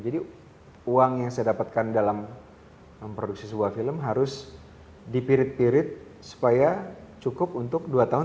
jadi uang yang saya dapatkan dalam produksi sebuah film harus dipirit pirit supaya cukup untuk dua tahun tiga tahun